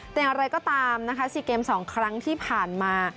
แต่อย่างไรก็ตามนะคะ๔เกม๒ครั้งที่ผ่านมา